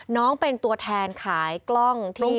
น้องเป็นตัวแทนขายกล้องที่